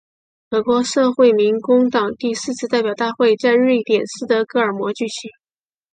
俄国社会民主工党第四次代表大会在瑞典斯德哥尔摩举行。